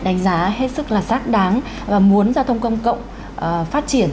đánh giá hết sức là rác đáng và muốn giao thông công cộng phát triển